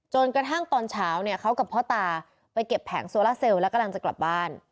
จนกระทั่งตอนเช้าเนี่ยเขากับพ่อตาไปเก็บแผงโซล่าเซลลแล้วกำลังจะกลับบ้าน